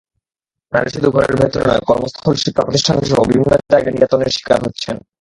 নারী শুধু ঘরের ভেতরে নয়, কর্মস্থল, শিক্ষাপ্রতিষ্ঠানসহ বিভিন্ন জায়গায় নির্যাতনের শিকার হচ্ছেন।